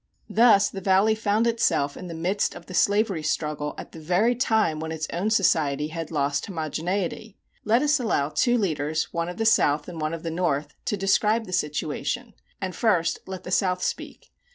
Thus the Valley found itself in the midst of the slavery struggle at the very time when its own society had lost homogeneity. Let us allow two leaders, one of the South and one of the North, to describe the situation; and, first, let the South speak.